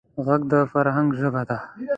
غږ د فرهنګ ژبه ده